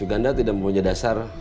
suganda tidak mempunyai dasar